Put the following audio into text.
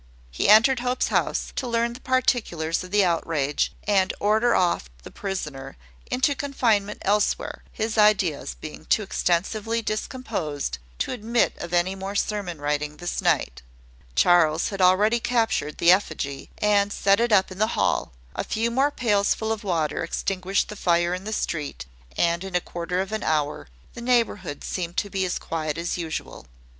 He entered Hope's house, to learn the particulars of the outrage, and order off the prisoner into confinement elsewhere, his ideas being too extensively discomposed to admit of any more sermon writing this night. Charles had already captured the effigy, and set it up in the hall: a few more pailsful of water extinguished the fire in the street; and in a quarter of an hour the neighbourhood seemed to be as quiet as usual.